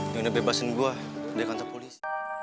yang udah bebasin gua dari kantor polis